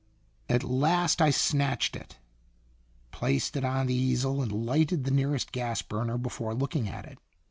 At last I snatched it, placed it on the easel and lighted the nearest gas burner before looking at it.